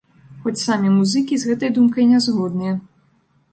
Хоць самі музыкі з гэтай думкай не згодныя.